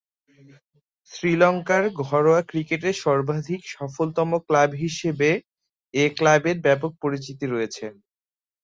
শ্রীলঙ্কার ঘরোয়া ক্রিকেটে সর্বাধিক সফলতম ক্লাব হিসেবে এ ক্লাবের ব্যাপক পরিচিতি রয়েছে।